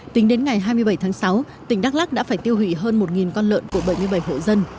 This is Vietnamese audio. tính đến ngày hai mươi bảy tháng sáu tỉnh đắk lắc đã phải tiêu hủy hơn một con lợn của bảy mươi bảy hộ dân